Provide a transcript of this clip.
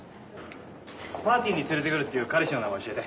パーティーに連れてくるっていう彼氏の名前教えて。